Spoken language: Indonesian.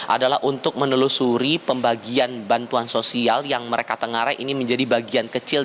adalah untuk menelusuri pembagian bantuan sosial yang mereka tengarai ini menjadi bagian kecil